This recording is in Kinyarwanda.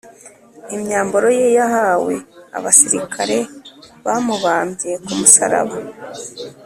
imyambaro ye yahawe abasirikare bamubambye ku musaraba